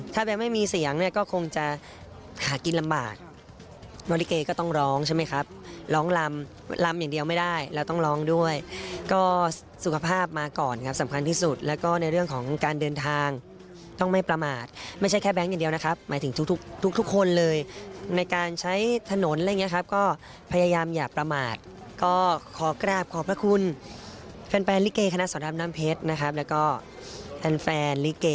ถ้าแบบไม่มีเสียงเนี่ยก็คงจะหากินลำบากว่าลิเกก็ต้องร้องใช่ไหมครับร้องลำลำอย่างเดียวไม่ได้แล้วต้องร้องด้วยก็สุขภาพมาก่อนครับสำคัญที่สุดแล้วก็ในเรื่องของการเดินทางต้องไม่ประมาทไม่ใช่แค่แบงค์อย่างเดียวนะครับหมายถึงทุกคนเลยในการใช้ถนนอะไรอย่างเงี้ยครับก็พยายามอย่าประมาทก็ขอกราบขอบพระคุณแฟ